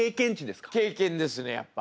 経験ですねやっぱ。